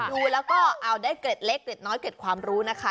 ดูแล้วก็เอาได้เกร็ดเล็กเกร็ดน้อยเกร็ดความรู้นะคะ